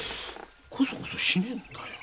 こそこそしねえんだよ。